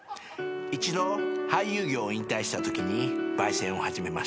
一度俳優業を引退したときに焙煎を始めました。